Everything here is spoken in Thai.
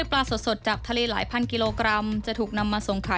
โรงงานโรงงาน